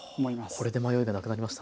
これで迷いがなくなりました。